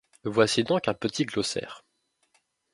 Voici donc un petit glossaire.